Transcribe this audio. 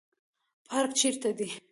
پارک چیرته دی؟